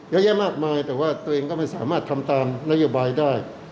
เยอะแยะมากมายแต่ว่าตัวเองก็ไม่สามารถทำตามนโยบายได้